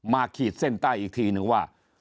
ขีดเส้นใต้อีกทีนึงว่า